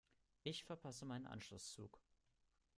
Ich verpasse meinen Anschlusszug.